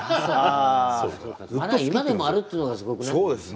まだ今でもあるっていうのがすごくない？